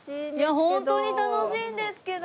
ホントに楽しいんですけど！